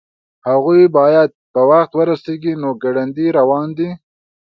هغوی باید په وخت ورسیږي نو ګړندي روان دي